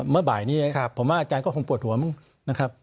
เมื่อบ่ายนี้ผมว่าอาจารย์ก็คงปวดหัวมั้งนะครับ